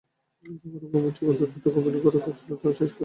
জগৎ-রঙ্গমঞ্চে আমার যেটুকু অভিনয় করবার ছিল, তা আমি শেষ করেছি।